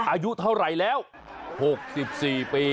อายุเท่าไหร่แล้ว๖๔ปี